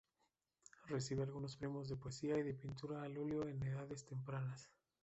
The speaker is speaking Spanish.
Recibe algunos premios de poesía y de pintura al óleo en edades tempranas.